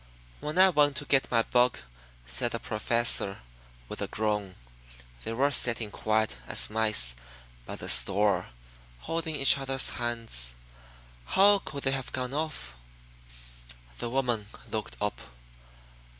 '" "When I went to get my book," said the Professor, with a groan, "they were sitting quiet as mice by the stove, holding each other's hands. How could they have gone off?" The woman looked up.